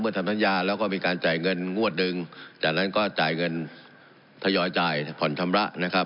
ทำสัญญาแล้วก็มีการจ่ายเงินงวดหนึ่งจากนั้นก็จ่ายเงินทยอยจ่ายผ่อนชำระนะครับ